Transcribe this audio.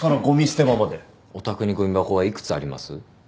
お宅にごみ箱はいくつあります？ごみ箱？